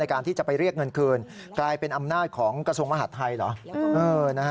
การที่จะไปเรียกเงินคืนกลายเป็นอำนาจของกระทรวงมหาดไทยเหรอ